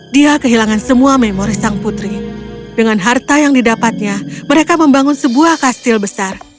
dia kehilangan semua memori sang putri dengan harta yang didapatnya mereka membangun sebuah kastil besar